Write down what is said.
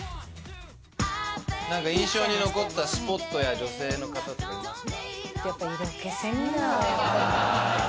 印象に残ったスポットや女性の方いますか？